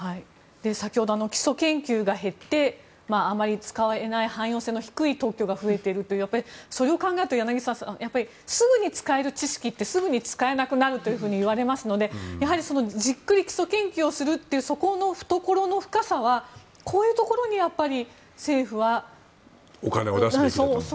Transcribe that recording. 先ほど基礎研究が減ってあまり使えない汎用性の低い特許が増えているということでそれを考えると、柳澤さんすぐに使える知識ってすぐに使えなくなるといわれますのでじっくり基礎研究をするというそこの懐の深さはこういうところにお金を出すべきだと。